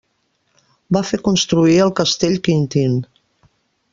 Va fer construir el Castell Quintin.